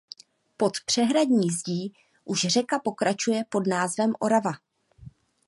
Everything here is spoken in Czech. Pod přehradní zdí už řeka pokračuje pod názvem Orava.